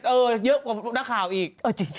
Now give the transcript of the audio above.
เยอะกว่านักข่าวอีก